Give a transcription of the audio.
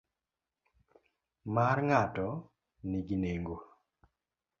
Mar ng'ato ni gi nengo.